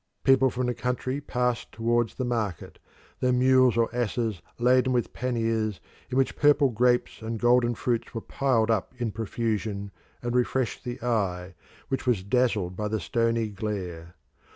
People from the country passed towards the market, their mules or asses laden with panniers in which purple grapes and golden fruits were piled up in profusion, and refreshed the eye, which was dazzled by the stony glare.